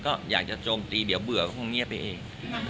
ก็อยากจะโจมตีเดี๋ยวเบื่อก็คงเงียบไปเอง